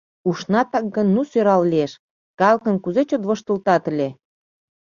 Ушнатак гын, ну сӧрал лиеш, калыкым кузе чот воштылтат ыле.